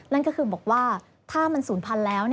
นั่นก็คือบอกว่าถ้ามันศูนย์พันธุ์แล้ว